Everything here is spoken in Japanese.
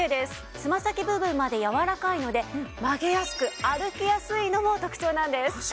つま先部分まで柔らかいので曲げやすく歩きやすいのも特徴なんです。